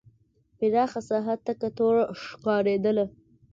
پراخه ساحه تکه توره ښکارېدله.